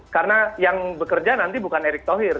karena yang bekerja nanti bukan erick tohir